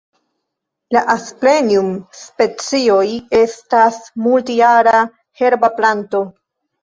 La Asplenium-specioj estas multjara herba planto.